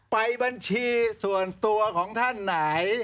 ไปบัญชีส่วนตัวของท่านไหน